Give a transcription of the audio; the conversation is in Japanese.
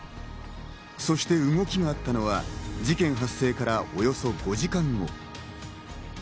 そして動きがあったのは事件発生からおよそ５時間後。